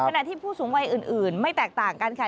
ขณะที่ผู้สูงวัยอื่นไม่แตกต่างกันค่ะ